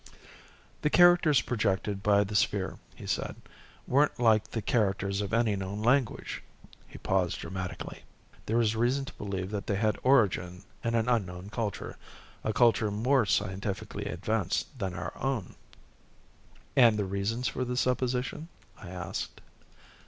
"The characters projected by the sphere," he said, "weren't like the characters of any known language." He paused dramatically. "There was reason to believe they had origin in an unknown culture. A culture more scientifically advanced than our own." "And the reasons for this supposition?" I asked.